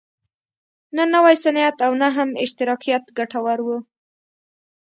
نه نوی صنعت او نه هم اشتراکیت ګټور و.